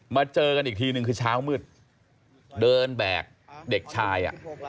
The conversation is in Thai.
เจอกันอีกทีนึงคือเช้ามืดเดินแบกเด็กชาย